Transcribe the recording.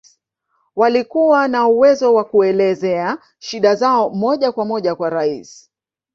Walikuwa na uwezo wa kelezea shida zao moja kwa moja kwa Rais